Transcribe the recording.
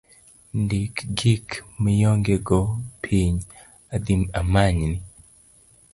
Ndik gik maionge go piny , adhi amanyni